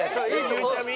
ゆうちゃみ？